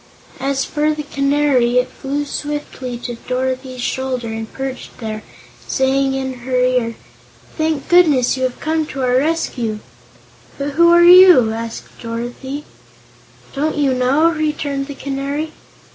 As for the Canary, it flew swiftly to Dorothy's shoulder and perched there, saying in her ear: "Thank goodness you have come to our rescue!" "But who are you?" asked Dorothy "Don't you know?" returned the Canary.